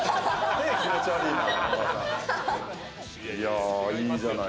手、気持ち悪いな。